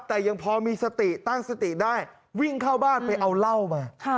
แต่ยังพอมีสติตั้งสติได้วิ่งเข้าบ้านไปเอาเหล้ามา